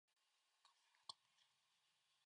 カモメが飛んでいる